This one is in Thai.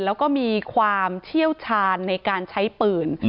แล้วก็มีความเชี่ยวชาญในการใช้ปืน